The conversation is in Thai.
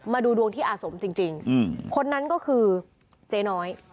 มาดูดวงที่อาสมจริงคนนั้นก็คือเจ๊น้อย